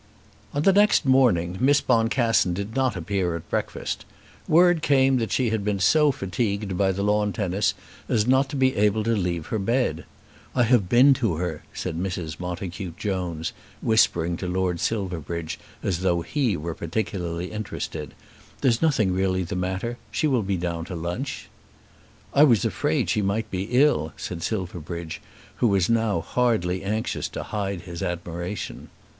On the next morning Miss Boncassen did not appear at breakfast. Word came that she had been so fatigued by the lawn tennis as not to be able to leave her bed. "I have been to her," said Mrs. Montacute Jones, whispering to Lord Silverbridge, as though he were particularly interested. "There's nothing really the matter. She will be down to lunch." "I was afraid she might be ill," said Silverbridge, who was now hardly anxious to hide his admiration.